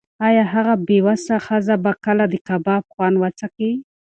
ایا هغه بې وسه ښځه به کله هم د کباب خوند وڅکي؟